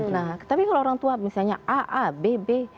nah tapi kalau orang tua misalnya a a b b